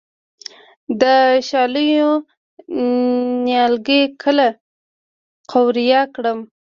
د شالیو نیالګي کله قوریه کړم؟